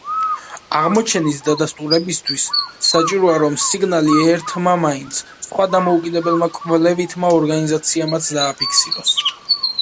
აღმოჩენის დადასტურებისთვის, საჭიროა რომ სიგნალი ერთმა მაინც, სხვა დამოუკიდებელმა კვლევითმა ორგანიზაციამაც დააფიქსიროს.